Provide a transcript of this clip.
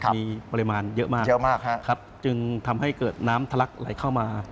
มีปริมาณเยอะมากจึงทำให้เกิดน้ำทะลักไหลเข้ามา